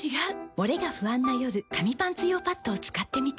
モレが不安な夜紙パンツ用パッドを使ってみた。